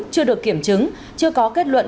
chưa được kiểm chứng chưa có kết luận